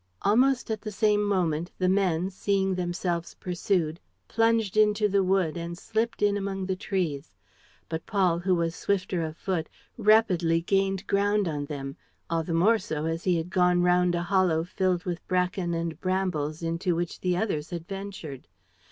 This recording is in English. Almost at the same moment the men, seeing themselves pursued, plunged into the wood and slipped in among the trees; but Paul, who was swifter of foot, rapidly gained ground on them, all the more so as he had gone round a hollow filled with bracken and brambles into which the others had ventured.